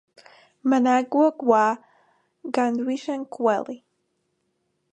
Malagho ghaw'o ghadanishinua kweli.